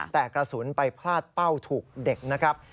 แต่กระสุนไปพลาดเป้าถูกเด็กนะครับ